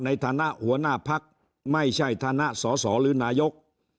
ในฐานะหัวหน้าพักไม่ใช่ฐานะสอสอหรือนายก